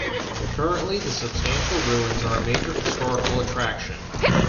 Currently the substantial ruins are a major historical attraction.